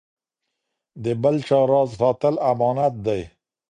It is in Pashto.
د بل چا راز ساتل امانت دی.